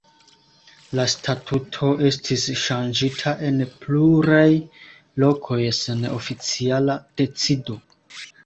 La statuto estis ŝanĝita en pluraj lokoj sen oficiala decido.